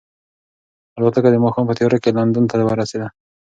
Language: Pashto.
الوتکه د ماښام په تیاره کې لندن ته ورسېده.